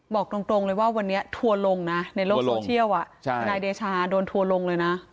บอกตรงเลยว่าวันนี้ทัวร์ลงนะในโลกโซเชียลทนายเดชาโดนทัวร์ลงเลยนะ